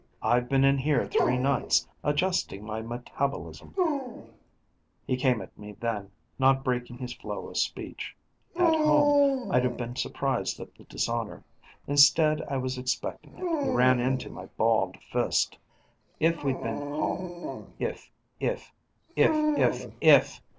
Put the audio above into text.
"I've been in here three nights, adjusting my metabolism ..." He came at me then, not breaking his flow of speech. At home, I'd have been surprised at the dishonor. Instead, I was expecting it. He ran into my balled fist. If we'd been home ... if, if, if, if, if.